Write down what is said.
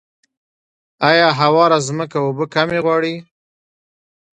آیا هواره ځمکه اوبه کمې غواړي؟